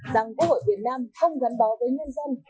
rằng quốc hội việt nam không gắn bó với nhân dân